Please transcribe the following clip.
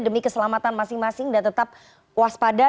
demi keselamatan masing masing dan tetap waspada